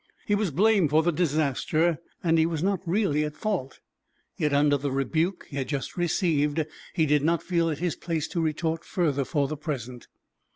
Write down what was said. He was blamed for the disaster, and he was not really at fault. Yet, under the rebuke he had just received, he did not feel it his place to retort further for the present.